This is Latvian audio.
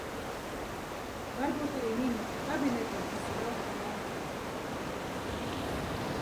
Varbūt arī Ministru kabinetam tas stāv pāri?